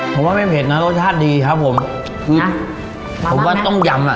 ผมว่าไม่เผ็ดนะรสชาติดีครับผมคือผมว่าต้มยำอ่ะ